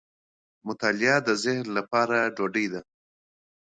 مطالعه د ذهن لپاره ډوډۍ ده.